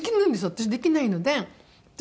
私できないので私